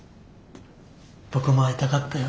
僕も会いたかったよ。